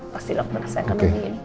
pasti dokter rasakan begini